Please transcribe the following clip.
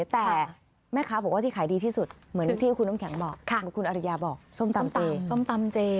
แต่แม่ค้าบอกว่าที่ขายดีที่สุดเหมือนที่คุณน้ำแข็งบอกคุณอริยาบอกส้มตำส้มตำเจ